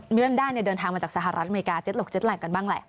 เรื่องนั้นได้เดินทางมาจากสหราฤนธ์อเมริกา๗๖๗๘กันบ้างแหละ